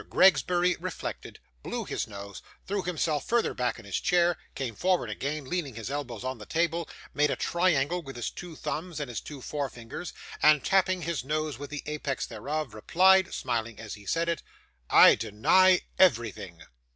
Gregsbury reflected, blew his nose, threw himself further back in his chair, came forward again, leaning his elbows on the table, made a triangle with his two thumbs and his two forefingers, and tapping his nose with the apex thereof, replied (smiling as he said it), 'I deny everything.